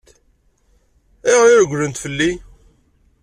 Ayɣer i regglen fell-i?